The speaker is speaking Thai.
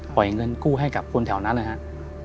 ปล่อยเงินกู้ให้กับคนแถวนั้นเลยครับ